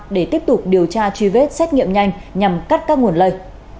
để tiếp tục điều tra truy vết xét nghiệm nhanh nhằm cắt các nguồn lây